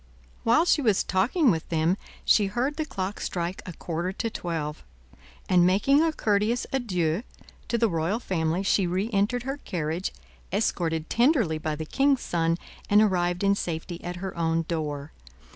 While she was talking with them, she heard the clock strike a quarter to twelve, and making a courteous adieu to the royal family, she reentered her carriage, escorted tenderly by the king's son, and arrived in safety at her own door.